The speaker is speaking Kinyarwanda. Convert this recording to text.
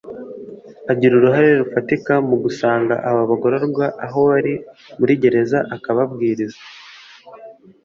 agira uruhare rufatika mu gusanga aba bagororwa aho bari muri gereza akababwiriza